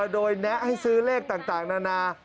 โดยแนะให้ซื้อเลขต่างนานา